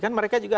kan mereka juga